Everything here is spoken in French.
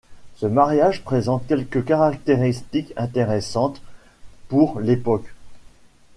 Ce mariage présente quelques caractéristiques intéressantes pour l'époque.